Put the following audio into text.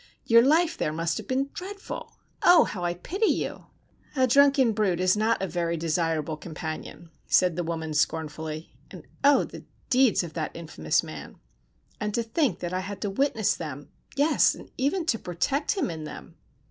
Your life there must have been dreadful! Oh, how I pity you!" "A drunken brute is not a very desirable companion," said the woman scornfully, "and oh, the deeds of that infamous man! And to think that I had to witness them, yes, and even to protect him in them!"